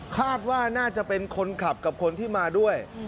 คาดว่าน่าจะเป็นคนขับกับคนที่มาด้วย